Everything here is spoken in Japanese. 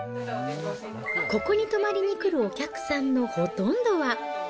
ここに泊まりに来るお客さんのほとんどは。